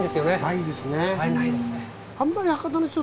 ないですね。